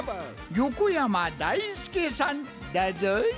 横山だいすけさんだぞい。